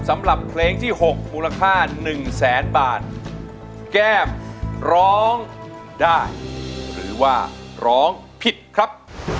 สำหรับเพลงที่หกมูลค่าหนึ่งแสนบาทแก้มร้องได้หรือว่าร้องผิดครับ